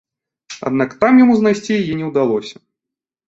Аднак там яму яе знайсці не ўдалося.